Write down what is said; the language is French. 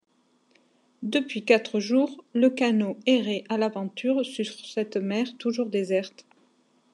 Depuis quatre jours, le canot errait à l’aventure sur cette mer toujours déserte.